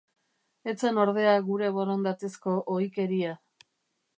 Ez zen ordea gure borondatezko ohikeria.